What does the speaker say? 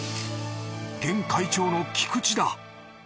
現会長の菊池だ。